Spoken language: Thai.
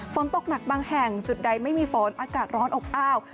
ฝนตกหนักบางแห่งจุดใดไม่มีฝนอากาศร้อนอบอ้าว